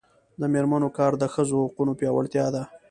د میرمنو کار د ښځو حقونو پیاوړتیا ده.